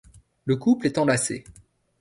Le couple est enlacé.